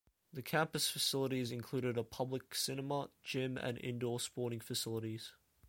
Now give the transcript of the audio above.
The campus facilities included a public cinema, gym and indoor sporting facilities.